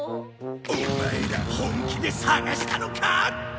オマエら本気で探したのか！？